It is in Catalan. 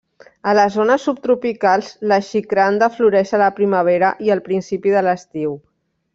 A les zones subtropicals, la xicranda floreix a la primavera i al principi de l'estiu.